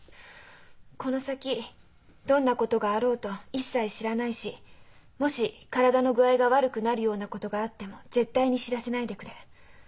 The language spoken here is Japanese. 「この先どんなことがあろうと一切知らないしもし体の具合が悪くなるようなことがあっても絶対に知らせないでくれ」。